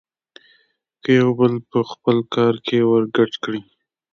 که يو بل په خپل کار کې ورګډ کړي.